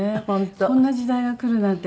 こんな時代が来るなんて